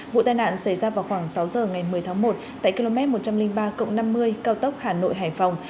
vụ tai nạn xảy ra vào khoảng sáu giờ ngày một mươi tháng một tại km một trăm linh ba năm mươi cao tốc hà nội hải phòng